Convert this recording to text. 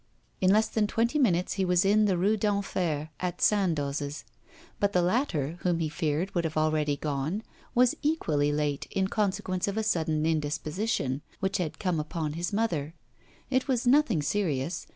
In less than twenty minutes he was in the Rue d'Enfer, at Sandoz's. But the latter, whom he feared would have already gone, was equally late in consequence of a sudden indisposition which had come upon his mother. It was nothing serious.